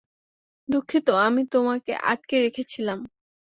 দুঃখিত আমি তোমাকে আটকে রেখেছিলাম।